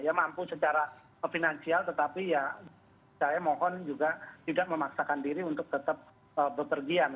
dia mampu secara finansial tetapi ya saya mohon juga tidak memaksakan diri untuk tetap bepergian